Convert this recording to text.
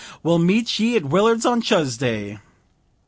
We'll meet ye at Willard's on Chusday."